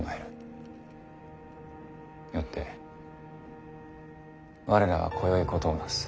よって我らはこよい事をなす。